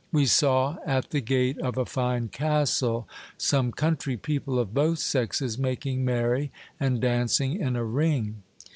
We saw at the gate of a fine castle some country people of both sexes making merry and dancing in a ring.